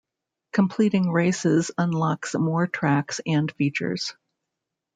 Completing races unlocks more tracks and features.